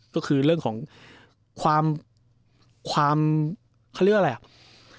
ก็คือเรื่องของความความเขาเรียกว่าอะไรอ่ะ